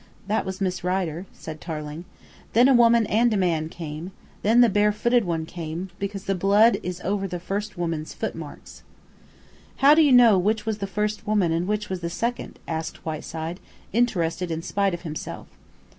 "That was Miss Rider," said Tarling. "Then a woman and a man came; then the bare footed one came, because the blood is over the first women's footmarks." "How do you know which was the first woman and which was the second?" asked Whiteside, interested in spite of himself.